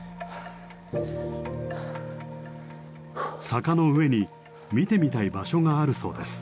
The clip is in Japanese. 坂の上に見てみたい場所があるそうです。